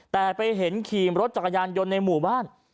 แต่ไปเห็นขี่รถจักรยานยนต์ในหมู่บ้าน